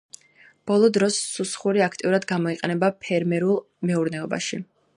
ბოლო დროს სუსხური აქტიურად გამოიყენება ფერმერულ მეურნეობაში.